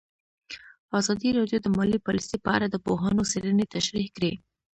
ازادي راډیو د مالي پالیسي په اړه د پوهانو څېړنې تشریح کړې.